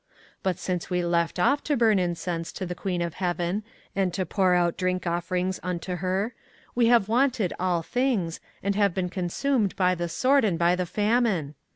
24:044:018 But since we left off to burn incense to the queen of heaven, and to pour out drink offerings unto her, we have wanted all things, and have been consumed by the sword and by the famine.